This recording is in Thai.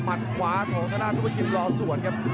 มัดขวาของนาตาซุปเปอร์กิมรอสวนครับ